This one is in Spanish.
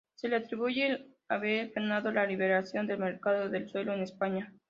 Se le atribuye el haber frenado la liberalización del mercado del suelo en España.